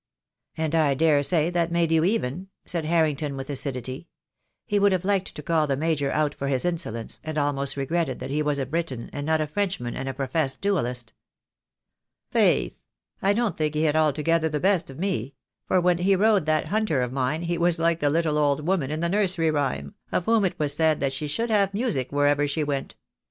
"And I daresay that made you even," said Harring ton, with acidity. He would have liked to call the Major out for his insolence, and almost regretted that he was a Briton, and not a Frenchman and a professed duellist. "Faith, I don't think he had altogether the best of me — for when he rode that hunter of mine he was like the little old woman in the nursery rhyme, of whom it was said that she should have music wherever she went.